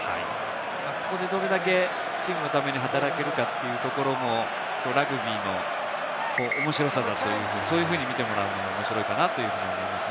ここでどれだけチームのために働けるかというところもラグビーの面白さだと、そういうふうに見てもらうのも面白いかなと思います。